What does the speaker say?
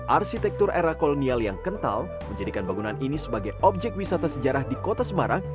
arsitektur era kolonial yang kental menjadikan bangunan ini sebagai objek wisata sejarah di kota semarang